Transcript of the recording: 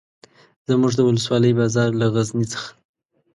زموږ د ولسوالۍ بازار له غزني څخه.